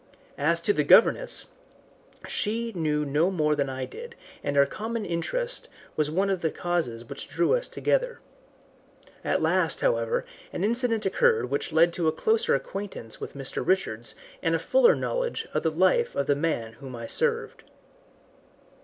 As to the governess, she knew no more than I did, and our common interest was one of the causes which drew us together. At last, however, an incident occurred which led to a closer acquaintance with Mr. Richards and a fuller knowledge of the life of the man whom I served.